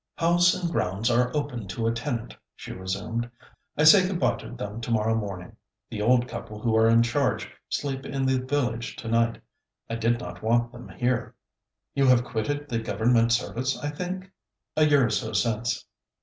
'House and grounds are open to a tenant,' she resumed. 'I say good bye to them to morrow morning. The old couple who are in charge sleep in the village to night. I did not want them here. You have quitted the Government service, I think?' 'A year or so since.'